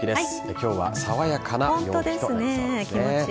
今日は爽やかな陽気となりそうですね。